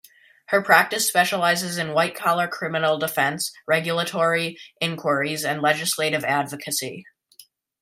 Her practice specializes in white-collar criminal defense, regulatory inquiries, and legislative advocacy.